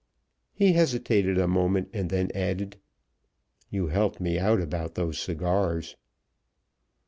He hesitated a moment and then said, "You helped me out about those cigars."